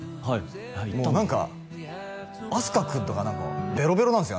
もう何か飛鳥くんとか何かベロベロなんすよ